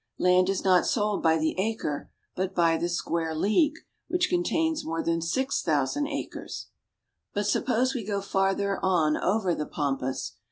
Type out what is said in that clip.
Land is not sold by the acre, but by the square league, which contains more than six thousand acres. But suppose we go farther on over the pampas.